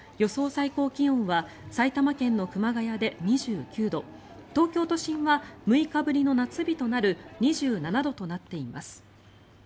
最高気温は埼玉県の熊谷で２９度東京都心は６日ぶりの夏日となる２７度となっています。